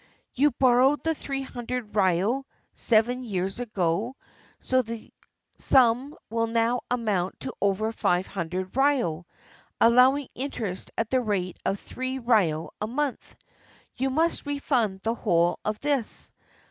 "You borrowed the three hundred ryo seven years ago; so the sum will now amount to over five hundred ryo, allowing interest at the rate of three ryo a month. You must refund the whole of this.